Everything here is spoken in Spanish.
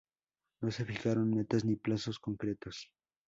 No se fijaron metas ni plazos concretos.